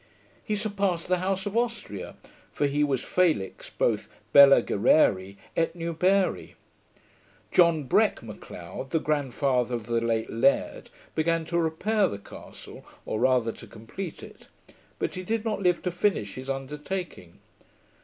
He surpassed the house of Austria; for he was felix both bella genere et nubere. John Breck M'Leod, the grandfather of the late laird, began to repair the castle, or rather to complete it: but he did not live to finish his undertaking.